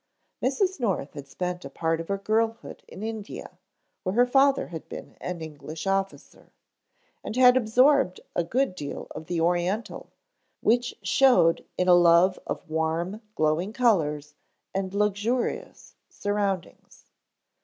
Mrs. North had spent a part of her girlhood in India, where her father had been an English officer, and had absorbed a good deal of the Oriental which showed in a love of warm, glowing colors and luxurious surroundings.